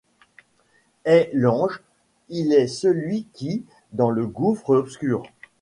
Est l’ange ; il est celui qui, dans le gouffre obscur